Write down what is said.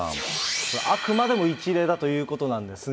これ、あくまでも一例だということなんですが。